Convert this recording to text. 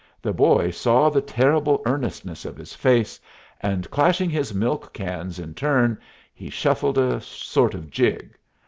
The boy saw the terrible earnestness of his face, and, clashing his milk cans in turn, he shuffled a sort of jig.